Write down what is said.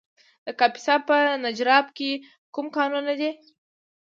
د کاپیسا په نجراب کې کوم کانونه دي؟